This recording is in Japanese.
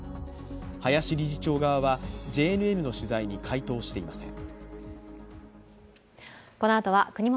林理事長側はＪＮＮの取材に回答していません。